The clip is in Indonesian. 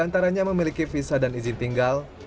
antaranya memiliki visa dan izin tinggal